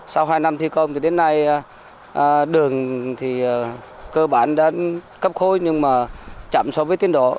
sau hai năm thi công thì đến nay đường thì cơ bản đã cấp khôi nhưng mà chậm so với tiến độ